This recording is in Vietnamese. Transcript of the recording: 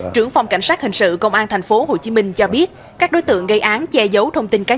trưởng phòng cảnh sát hình dung đã đề nghị đối tượng nguyễn thị bích tuyền